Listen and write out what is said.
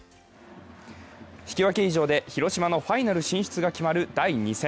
引き分け以上で広島のファイナル進出が決まる第２戦。